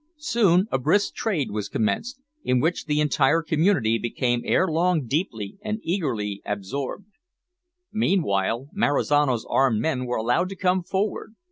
Soon a brisk trade was commenced, in which the entire community became ere long deeply and eagerly absorbed. Meanwhile Marizano's armed men were allowed to come forward.